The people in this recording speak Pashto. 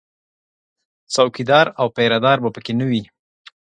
څوکیدار او پیره دار به په کې نه وي